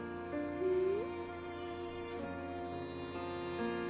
うん。